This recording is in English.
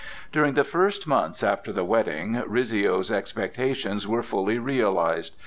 During the first months after the wedding Rizzio's expectations were fully realized.